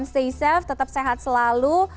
say safe tetap sehat selalu